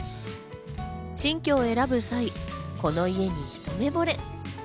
新居を選ぶ際、この家にひと目ぼれ。